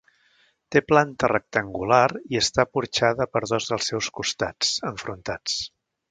Té planta rectangular i està porxada per dos dels seus costats, enfrontats.